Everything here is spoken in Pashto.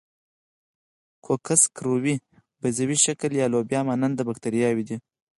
کوکس کروي، بیضوي شکل یا لوبیا مانند باکتریاوې دي.